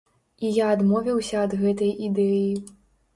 І я адмовіўся ад гэтай ідэі.